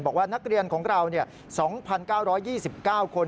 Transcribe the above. บอกว่านักเรียนของเรา๒๙๒๙คน